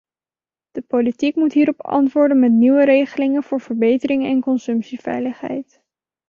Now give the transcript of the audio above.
De politiek moet hierop antwoorden met nieuwe regelingen voor verbetering en consumptieveiligheid.